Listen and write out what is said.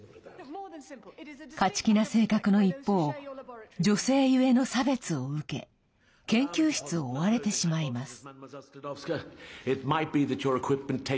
勝ち気な性格の一方女性ゆえの差別を受け研究室を追われてしまいます。